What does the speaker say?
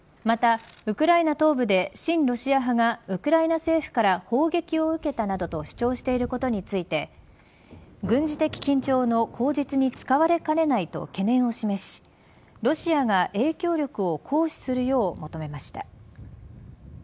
また、ウクライナ東部で親ロシア派がウクライナ政府から砲撃を受けたなどと主張していることについて軍事的緊張の口実に使われかねないと懸念を示しロシアが影響力を行使するよう求めました。